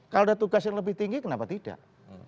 kalau ada tugas yang lebih tinggi kenapa tidak